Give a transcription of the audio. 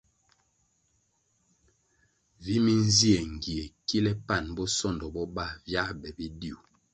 Vi minzie ngie kile pan bosondo bo ba viā be bidiu.